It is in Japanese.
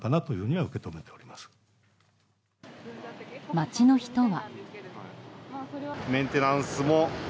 街の人は。